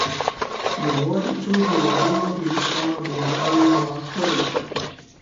یواځې څو هیوادونو د روسانو د یرغل ملا تړ وکړ.